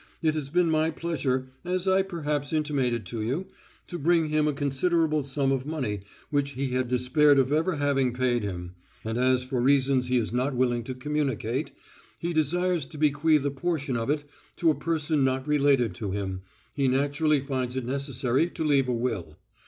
It has been my pleasure, as I perhaps intimated to you, to bring him a considerable sum of money which he had quite despaired of ever having paid him; and as for reasons he is not willing to communicate, he desires to bequeath a portion of it to a person not related to him, he naturally finds it necessary to leave a will.